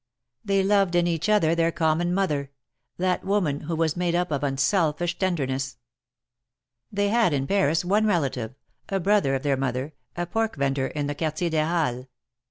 They loved in each other their common mother — that woman who was made up of unselfish tenderness. They had in Paris one relative, a brother of their mother, a pork vendor in the Quartier des Halles.